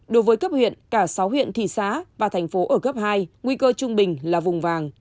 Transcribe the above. đối với cấp huyện cả sáu huyện thị xã và thành phố ở cấp hai nguy cơ trung bình là vùng vàng